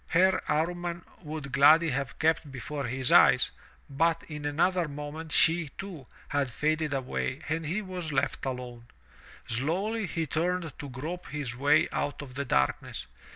Her Amman would gladly have kept before his eyes, but in another moment she, too, had faded away and he was left alone. Slowly he turned to grope his way out of the darkness.